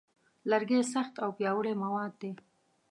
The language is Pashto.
لرګی سخت او پیاوړی مواد دی.